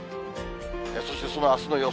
そしてそのあすの予想